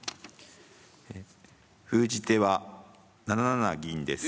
封じ手は７七銀です。